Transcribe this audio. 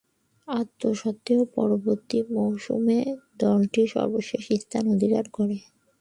তাসত্ত্বেও, পরবর্তী মৌসুমে দলটি সর্বশেষ স্থান অধিকার করে।